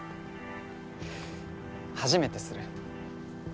初めてする。